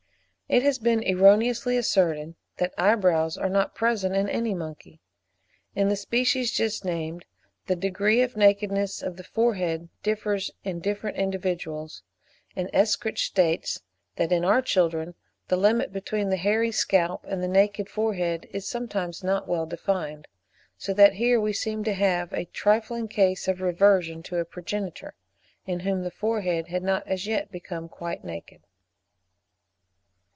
It has been erroneously asserted that eyebrows are not present in any monkey. In the species just named the degree of nakedness of the forehead differs in different individuals; and Eschricht states (7. 'Über die Richtung der Haare,' etc., Müller's 'Archiv fur Anat. und Phys.' 1837, s. 51.) that in our children the limit between the hairy scalp and the naked forehead is sometimes not well defined; so that here we seem to have a trifling case of reversion to a progenitor, in whom the forehead had not as yet become quite naked.